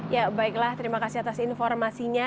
ya baiklah terima kasih atas informasinya